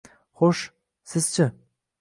Xo`sh, siz-chi